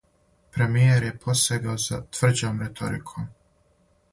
Премијер је посегао за тврђом реториком.